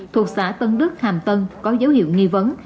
thuộc xã tân đức hàm tân có dấu hiệu nghi vấn